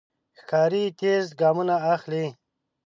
ښکاري تېز ګامونه اخلي.